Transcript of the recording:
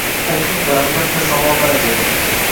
O'qing va albatta savollar bering!